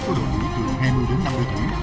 có đội nghĩa từ hai mươi đến năm mươi tuổi